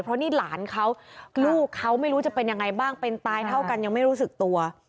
เพราะนี่หลานเขาลูกเขาไม่รู้จะเป็นยังไงบ้างเป็นตายเท่ากันยังไม่รู้สึกตัว